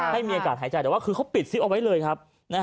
ให้มีอากาศหายใจแต่ว่าคือเขาปิดซิปเอาไว้เลยครับ